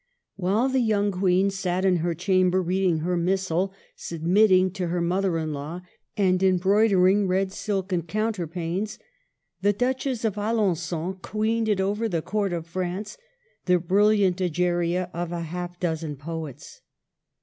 While the young Queen sat in her chamber, reading her missal, submitting to her mother in law, and embroidering red silken counter panes, the Duchess of Alengon queened it over the court of France, the brilliant Egeria of half a dozen poets.